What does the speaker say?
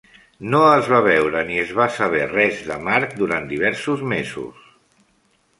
No es va veure ni es va saber res de Marc durant diversos mesos.